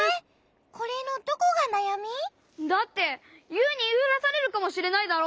これのどこがなやみ？だってユウにいいふらされるかもしれないだろ？